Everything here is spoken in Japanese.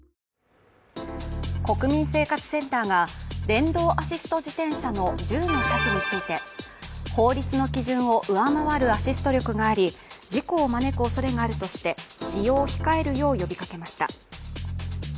国民生活センターが電動アシスト自転車の１０の車種について法律の基準を上回るアシスト力があり事故を招くおそれがあるとして使用を控えるよう呼びかけました。